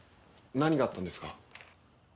何があったんですか？